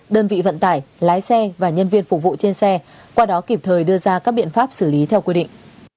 đơn vị vận tải lái xe và nhân viên phục vụ trên xe qua đó kịp thời đưa ra các biện pháp xử lý theo quy định